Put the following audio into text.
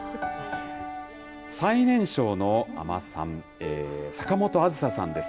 最年少の海女さん、坂本梓沙さんです。